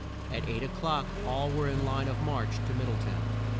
At eight o'clock all were in line of march to Mid dle town.